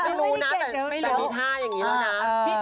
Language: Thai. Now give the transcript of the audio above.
ไม่รู้นะแต่ไม่เคยมีท่าอย่างนี้แล้วนะ